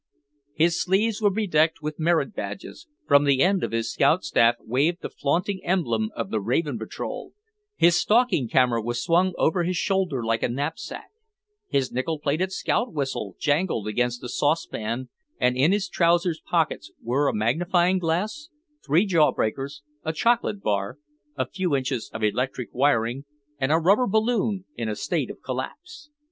His sleeves were bedecked with merit badges; from the end of his scout staff waved the flaunting emblem of the Raven Patrol; his stalking camera was swung over his shoulder like a knapsack; his nickel plated scout whistle jangled against the saucepan; and in his trousers pockets were a magnifying glass, three jawbreakers, a chocolate bar, a few inches of electric wiring, and a rubber balloon in a state of collapse.